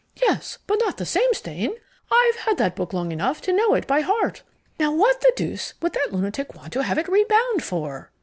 "Yes, but not the same stain. I've had that book long enough to know it by heart. Now what the deuce would that lunatic want to have it rebound for?"